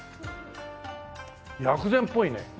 薬膳っぽいね。